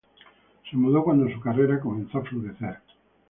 Se mudó cuando su carrera comenzó a florecer.